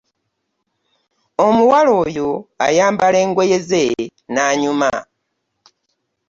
Omuwala oyo ayambala engoye ze n'anyuma